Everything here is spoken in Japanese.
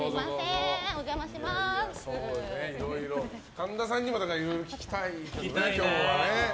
神田さんにもいろいろ聞きたいのよ、今日は。